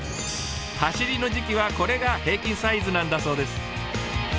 はしりの時期はこれが平均サイズなんだそうです。